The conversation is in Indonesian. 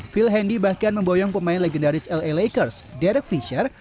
phil handy bahkan memboyong pemain legendaris la lakers derek fisher